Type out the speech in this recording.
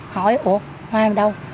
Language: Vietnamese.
hỏi ủa hoa ở đâu